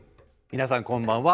皆さんこんばんは。